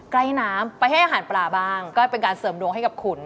น้ำไปให้อาหารปลาบ้างก็เป็นการเสริมดวงให้กับคุณ